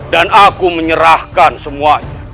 dan aku menyerahkan semuanya